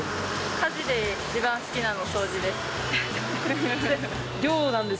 家事で一番好きなの掃除です。